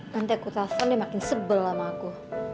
nanti aku telepon dia makin sebel sama aku